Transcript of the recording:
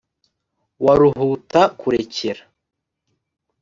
wa ruhuta kurekera